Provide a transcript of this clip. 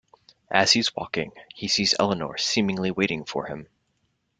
As he's walking, he sees Eleanor seemingly waiting for him.